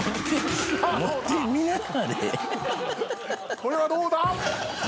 これはどうだ？